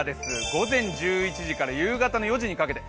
午前１１時から夕方の４時にかけて。